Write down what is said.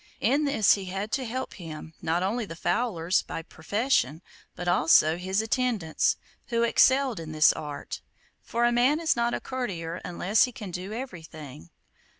In this he had to help him not only the fowlers by profession, but also his attendants, who excelled in this art. For a man is not a courtier unless he can do everything.